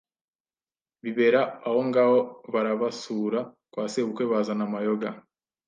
bibera ahongaho barabasura kwa sebukwe bazana amayoga